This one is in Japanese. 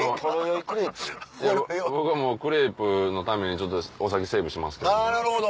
いや僕はもうクレープのためにお酒セーブしますけども。